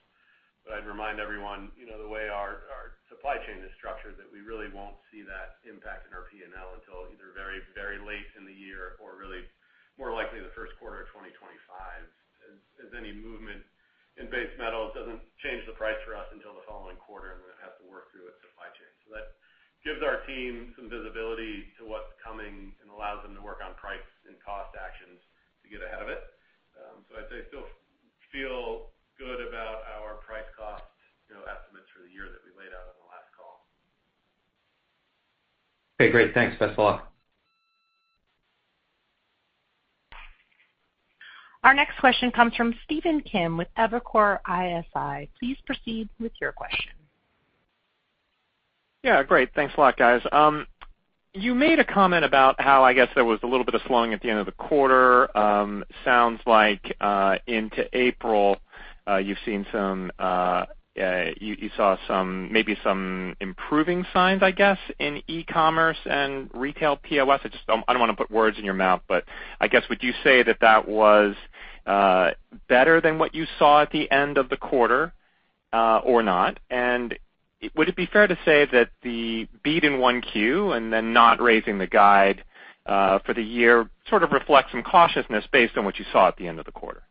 But I'd remind everyone, you know, the way our supply chain is structured, that we really won't see that impact in our P&L until either very, very late in the year or really more likely in the first quarter of 2025. As any movement in base metals doesn't change the price for us until the following quarter, and we have to work through its supply chain. So that gives our team some visibility to what's coming and allows them to work on price and cost actions to get ahead of it. So I'd say, still feel good about our price cost, you know, estimates for the year that we laid out on the last call. Okay, great. Thanks. Best of luck. Our next question comes from Stephen Kim with Evercore ISI. Please proceed with your question. Yeah, great. Thanks a lot, guys. You made a comment about how, I guess, there was a little bit of slowing at the end of the quarter. Sounds like, into April, you've seen some, you saw some-- maybe some improving signs, I guess, in e-commerce and retail POS. I just don't-- I don't wanna put words in your mouth, but I guess, would you say that that was, better than what you saw at the end of the quarter, or not? And would it be fair to say that the beat in 1Q and then not raising the guide, for the year, sort of reflects some cautiousness based on what you saw at the end of the quarter?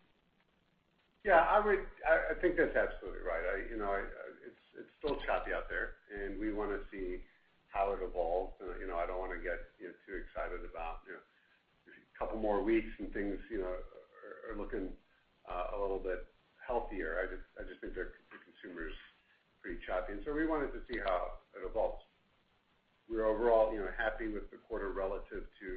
Yeah, I think that's absolutely right. You know, it's still choppy out there, and we wanna see how it evolves. You know, I don't wanna get, you know, too excited about, you know, a couple more weeks and things, you know, are looking a little bit healthier. I just think the consumer is pretty choppy, and so we wanted to see how it evolves. We're overall, you know, happy with the quarter relative to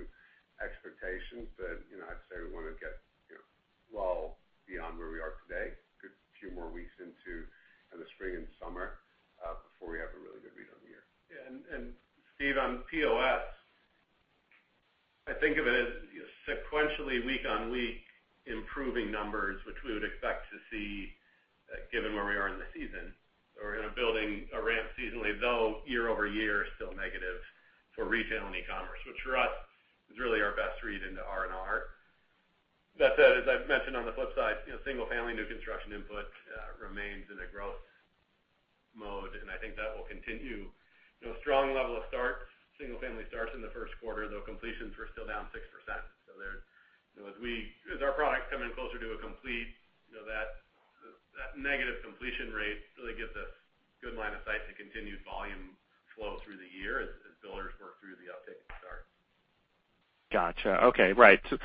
expectations, but, you know, I'd say we wanna get, you know, well beyond where we are today, a good few more weeks into the spring and summer before we have a really good read on the year. Yeah, and Steve, on POS, I think of it as sequentially week-on-week improving numbers, which we would expect to see, given where we are in the season. We're gonna building a ramp seasonally, though year-over-year is still negative for retail and e-commerce, which for us is really our best read into R&R. That said, as I've mentioned on the flip side, you know, single-family new construction input remains in a growth mode, and I think that will continue. You know, strong level of starts, single-family starts in the first quarter, though completions were still down 6%. So there you know, as we, as our products come in closer to a complete, you know, that, that negative completion rate really gives us good line of sight to continued volume flow through the year as, as builders work through the uptick in starts. Gotcha. Okay, right. So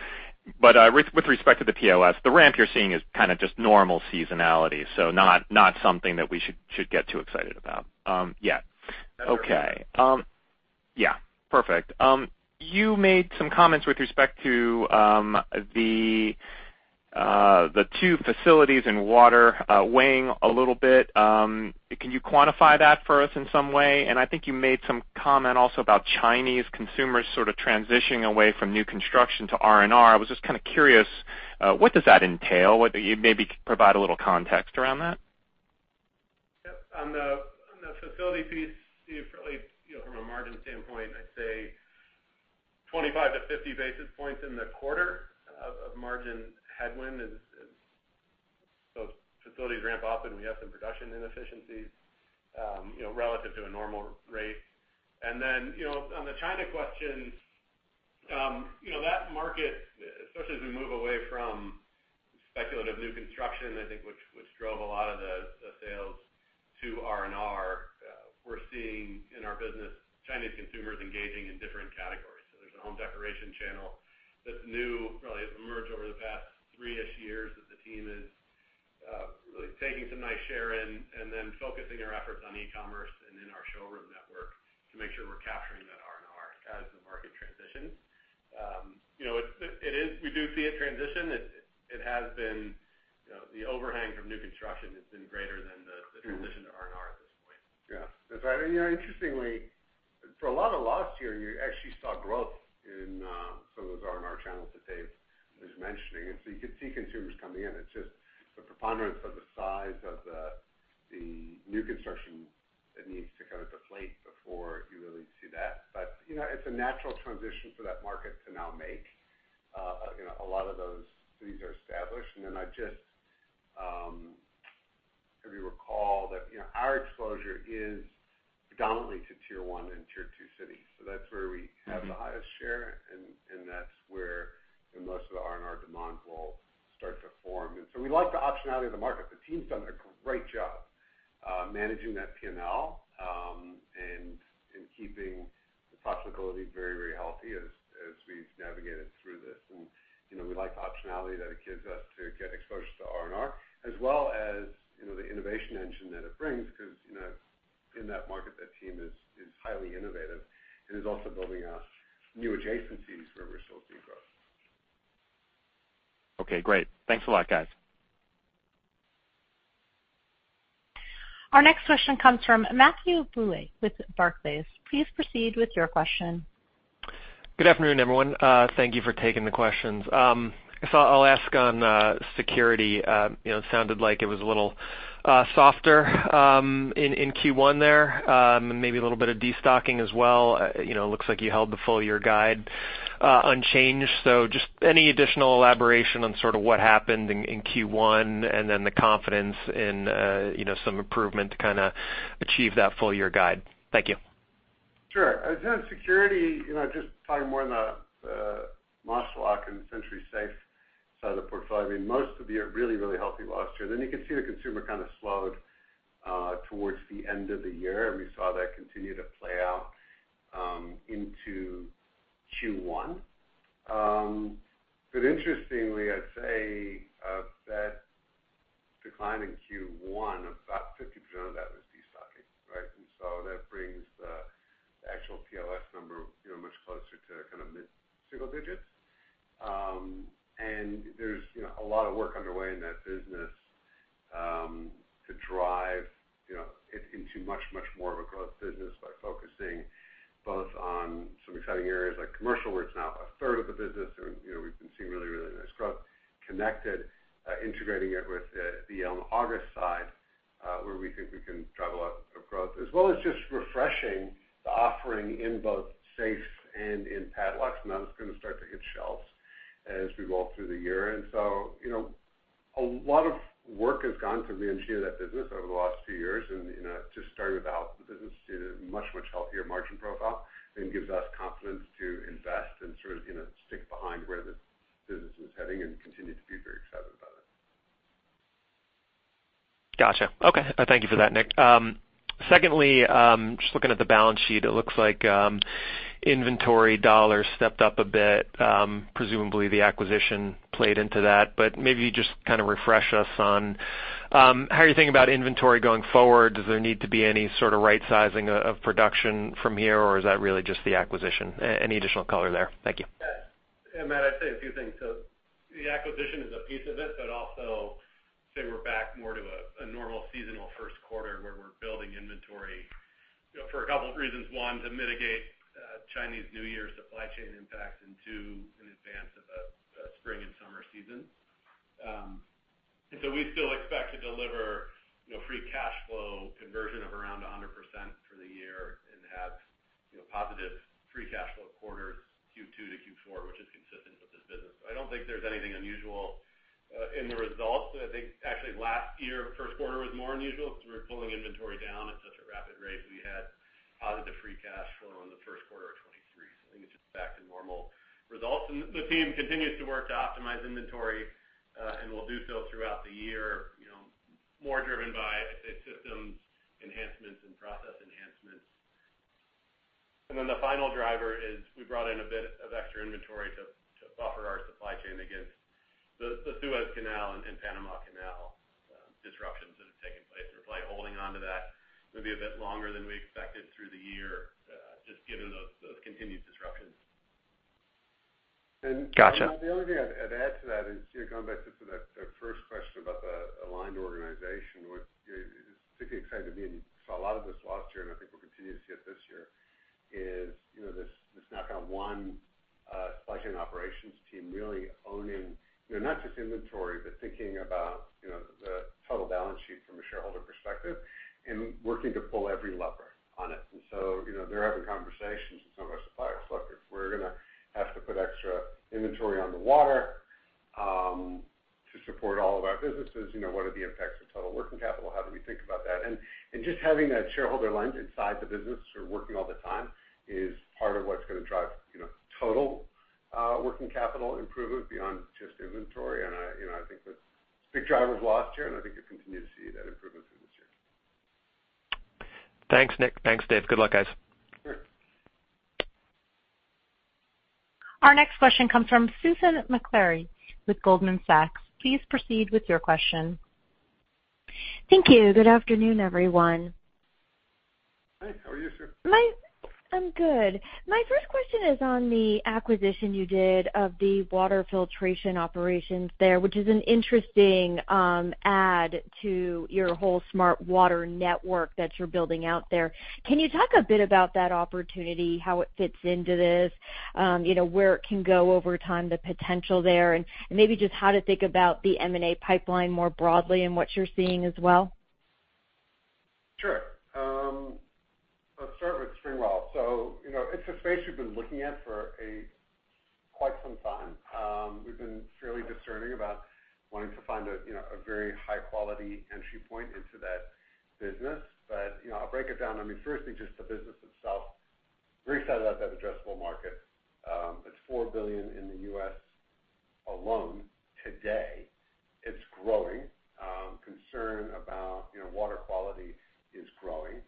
but, with respect to the POS, the ramp you're seeing is kind of just normal seasonality, so not something that we should get too excited about? Yeah. That's right. Okay, yeah, perfect. You made some comments with respect to the two facilities in water weighing a little bit. Can you quantify that for us in some way? I think you made some comment also about Chinese consumers sort of transitioning away from new construction to R&R. I was just kind of curious what does that entail? What-- You maybe could provide a little context around that. Yep. On the facility piece, Steve, really, you know, from a margin standpoint, I'd say 25-50 basis points in the quarter of margin headwind as those facilities ramp up, and we have some production inefficiencies, you know, relative to a normal rate. And then, you know, on the China question, you know, that market, especially as we move away from speculative new construction, I think, which drove a lot of the sales to R&R, we're seeing in our business, Chinese consumers engaging in different categories. So there's a home decoration channel that's new, really it's emerged over the past three-ish years, that the team is really taking some nice share in and then focusing our efforts on e-commerce and in our showroom network to make sure we're capturing that R&R as the market transitions. You know, it is. We do see it transition. It has been, you know, the overhang from new construction has been greater than the, the- Mm-hmm... transition to R&R at this point. Yeah, that's right. And, you know, interestingly, for a lot of last year, you actually saw growth in some of those R&R channels that Dave is mentioning. And so you could see consumers coming in. It's just the preponderance of the size of the new construction that needs to kind of deflate before you really see that. But, you know, it's a natural transition for that market to now make. You know, a lot of those cities are established, and then I just, if you recall that, you know, our exposure is predominantly to Tier 1 and Tier 2 cities. So that's where we have the highest share, and that's where most of the R&R demand will start to form. And so we like the optionality of the market. The team's done a great job managing that P&L, and keeping the profitability very, very healthy as we've navigated through this. And, you know, we like the optionality that it gives us to get exposure to R&R, as well as, you know, the innovation engine that it brings, 'cause, you know, in that market, that team is highly innovative and is also building out new adjacencies where we're still seeing growth. Okay, great. Thanks a lot, guys. Our next question comes from Matthew Bouley with Barclays. Please proceed with your question. Good afternoon, everyone. Thank you for taking the questions. So I'll ask on security. You know, it sounded like it was a little softer in Q1 there, and maybe a little bit of destocking as well. You know, it looks like you held the full year guide unchanged. So just any additional elaboration on sort of what happened in Q1, and then the confidence in you know, some improvement to kinda achieve that full year guide? Thank you. Sure. In terms of security, you know, just talking more on the, Master Lock and SentrySafe side of the portfolio, I mean, most of you are really, really healthy last year. Then you can see the consumer kind of slowed, towards the end of the year, and we saw that continue to play out, into Q1. But interestingly, I'd say, that decline in Q1, about 50% of that was destocking, right? And so that brings the, the actual POS number, you know, much closer to kind of mid-single digits. There's, you know, a lot of work underway in that business to drive, you know, it into much, much more of a growth business by focusing both on some exciting areas like commercial, where it's now a third of the business, and, you know, we've been seeing really, really nice growth connected, integrating it with the August side, where we think we can drive a lot of growth, as well as just refreshing the offering in both safe and in padlocks, and that's gonna start to hit shelves as we go through the year. And so, you know, a lot of work has gone to reengineer that business over the last two years, and, you know, just starting without the business to a much, much healthier margin profile, and gives us confidence to invest and sort of, you know, stick behind where the business is heading and continue to be very excited about it. Got you. Okay, thank you for that, Nick. Secondly, just looking at the balance sheet, it looks like inventory dollars stepped up a bit, presumably the acquisition played into that, but maybe you just kind of refresh us on how are you thinking about inventory going forward? Does there need to be any sort of right sizing of production from here, or is that really just the acquisition? Any additional color there? Thank you. Yes. And Matt, I'd say a few things. So the acquisition is a piece of it, but also say we're back more to a, a normal seasonal first quarter, where we're building inventory, you know, for a couple of reasons. One, to mitigate, Chinese New Year supply chain impacts, and two, in advance of the, the spring and summer seasons. And so we still expect to deliver, you know, free cash flow conversion of around 100% for the year and have, you know, positive free cash flow quarters, Q2-Q4, which is consistent with this business. I don't think there's anything unusual, in the results. I think actually last year, first quarter was more unusual because we were pulling inventory down at such a rapid rate. We had positive free cash flow in the first quarter of 2023. So I think it's just back to normal results. The team continues to work to optimize inventory, and will do so throughout the year, you know, more driven by, I'd say, systems enhancements and process enhancements. Then the final driver is we brought in a bit of extra inventory to buffer our supply chain against the Suez Canal and Panama Canal disruptions that have taken place. We're probably holding on to that maybe a bit longer than we expected through the year, just given those continued disruptions. Gotcha. The only thing I'd add to that is, you know, going back to that first question about the aligned organization, which is particularly exciting to me, and you saw a lot of this last year, and I think we'll continue to see it this year, is, you know, this knockout one supply chain operations team really owning, you know, not just inventory, but thinking about, you know, the total balance sheet from a shareholder perspective and working to pull every lever on it. And so, you know, they're having conversations with some of our supplier selections. We're gonna have to put extra inventory on the water to support all of our businesses. You know, what are the impacts of total working capital? How do we think about that? Just having that shareholder lens inside the business or working all the time is part of what's gonna drive, you know, total working capital improvement beyond just inventory. I, you know, I think that's big drivers last year, and I think you'll continue to see that improvement through this year. Thanks, Nick. Thanks, Dave. Good luck, guys. Our next question comes from Susan Maklari with Goldman Sachs. Please proceed with your question. Thank you. Good afternoon, everyone. Hey, how are you, Susan? I'm good. My first question is on the acquisition you did of the water filtration operations there, which is an interesting add to your whole Smart Water Network that you're building out there. Can you talk a bit about that opportunity, how it fits into this, you know, where it can go over time, the potential there, and maybe just how to think about the M&A pipeline more broadly and what you're seeing as well? Sure. Let's start with SpringWell. So, you know, it's a space we've been looking at for quite some time. We've been fairly discerning about wanting to find a, you know, a very high-quality entry point into that business. But, you know, I'll break it down. I mean, firstly, just the business itself, very excited about that addressable market. It's $4 billion in the U.S. alone today. It's growing. Concern about, you know, water quality is growing,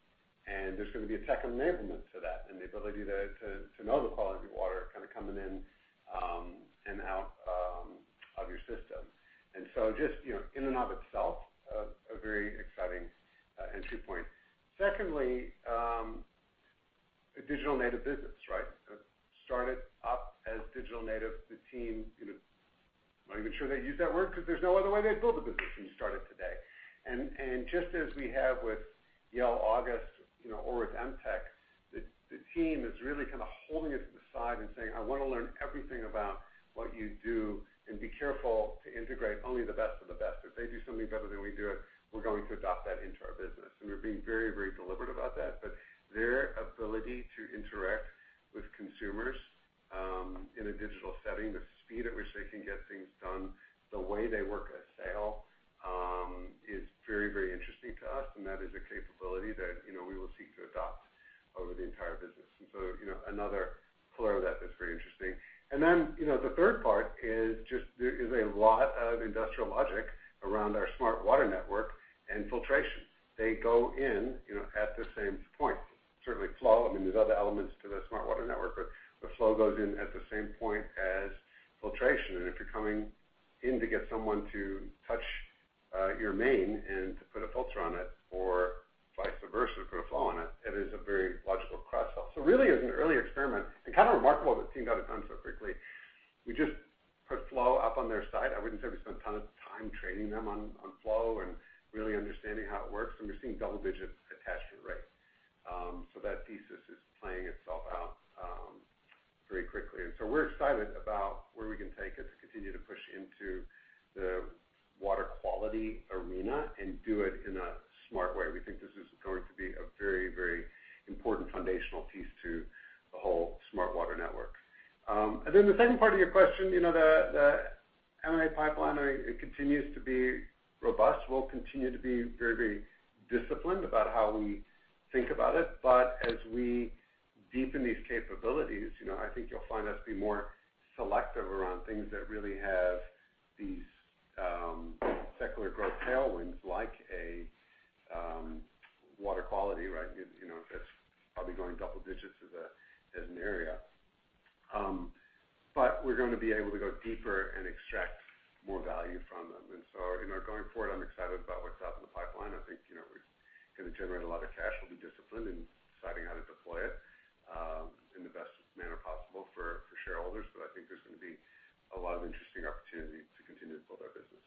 and there's gonna be a tech enablement to that and the ability to know the quality of water kind of coming in and out of your system. And so just, you know, in and of itself, a very exciting entry point. Secondly, a digital native business, right? It started up as digital native. The team, you know, I'm not even sure they use that word, 'cause there's no other way they'd build a business when you start it today. And just as we have with Yale, August, you know, or with Emtek, the team is really kind of holding it to the side and saying: I wanna learn everything about what you do and be careful to integrate only the best of the best. If they do something better than we do it, we're going to adopt that into our business. And we're being very, very deliberate about that. But their ability to interact with consumers in a digital setting, the speed at which they can get things done, the way they work a sale, is very, very interesting to us, and that is a capability that, you know, we will seek to adopt over the entire business. And so, you know, another pillar that is very interesting. And then, you know, the third part is just there is a lot of industrial logic around our Smart Water Network and filtration. They go in, you know, at the same point. Certainly, Flo, I mean, there's other elements to the Smart Water Network, but, but Flo goes in at the same point as filtration. And if you're coming in to get someone to touch your main and to put a filter on it, or vice versa, put a Flo on it, it is a very logical cross sell. So really, as an early experiment, and kind of remarkable that the team got it done so quickly. We just put Flo up on their site. I wouldn't say we spent a ton of time training them on Flo and really understanding how it works, and we're seeing double-digit attachment rates. So that thesis is playing itself out very quickly. And so we're excited about where we can take it to continue to push into the water quality arena and do it in a smart way. We think this is going to be a very, very important foundational piece to the whole Smart Water Network. And then the second part of your question, you know, the M&A pipeline, it continues to be robust. We'll continue to be very, very disciplined about how we think about it. But as we deepen these capabilities, you know, I think you'll find us be more selective around things that really have these secular growth tailwinds, like a water quality, right? You know, that's probably going double digits as a, as an area. But we're going to be able to go deeper and extract more value from them. And so, you know, going forward, I'm excited about what's out in the pipeline. I think, you know, we're gonna generate a lot of cash. We'll be disciplined in deciding how to deploy it in the best manner possible for shareholders, but I think there's gonna be a lot of interesting opportunities to continue to build our business.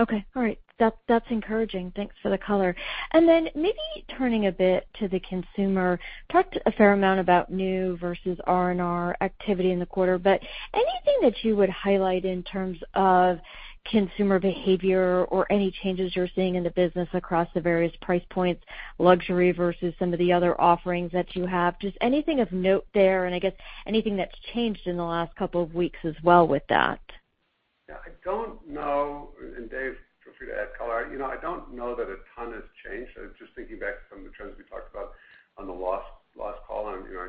Okay, all right. That's, that's encouraging. Thanks for the color. And then maybe turning a bit to the consumer, talked a fair amount about new versus R&R activity in the quarter, but anything that you would highlight in terms of consumer behavior or any changes you're seeing in the business across the various price points, luxury versus some of the other offerings that you have? Just anything of note there, and I guess anything that's changed in the last couple of weeks as well with that. Yeah, I don't know, and Dave, feel free to add color. You know, I don't know that a ton has changed. I'm just thinking back from the trends we talked about on the last, last call, and, you know, I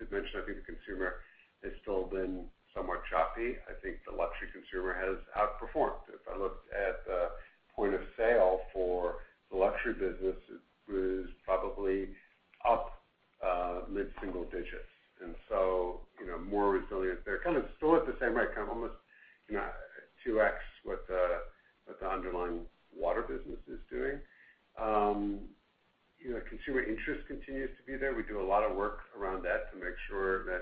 did mention, I think the consumer has still been somewhat choppy. I think the luxury consumer has outperformed. If I looked at the point of sale for the luxury business, it was probably up mid-single digits, and so, you know, more resilient there. Kind of still at the same rate, kind of almost, you know, 2x what the underlying Water business is doing. You know, consumer interest continues to be there. We do a lot of work around that to make sure that,